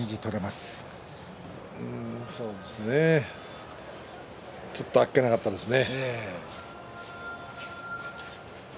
うーん、そうですねちょっと、あっけなかったですね。